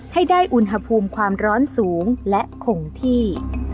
ให้ได้อุณหภูมิความร้อนสูงและคงที่